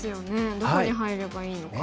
どこに入ればいいのか。